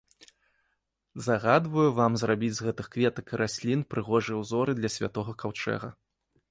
Загадваю вам зрабіць з гэтых кветак і раслін прыгожыя ўзоры для святога каўчэга.